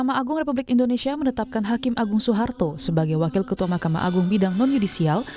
mahkamah agung republik indonesia menetapkan hakim agung soeharto sebagai wakil ketua mahkamah agung bidang non yudisial